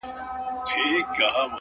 • سر مي بلند دی،